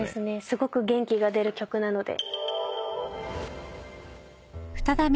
すごく元気が出る曲なので。